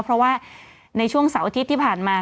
เพราะว่าในช่วงเสาร์อาทิตย์ที่ผ่านมา